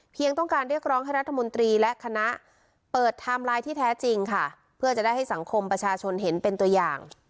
ต้องการเรียกร้องให้รัฐมนตรีและคณะเปิดไทม์ไลน์ที่แท้จริงค่ะเพื่อจะได้ให้สังคมประชาชนเห็นเป็นตัวอย่าง